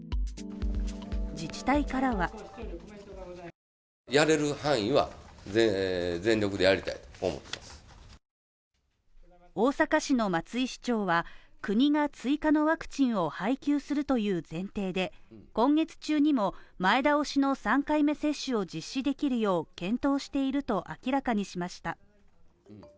自治体からは大阪市の松井市長は国が追加のワクチンを配給するという前提で、今月中にも、前倒しの３回目接種を実施できるよう検討していると明らかにしました。